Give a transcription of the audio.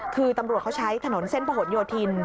คือตำรวจเขาใช้ถนนเส้นผนโยธิน